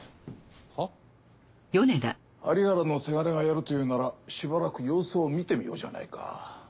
有原のせがれがやると言うならしばらく様子を見てみようじゃないか。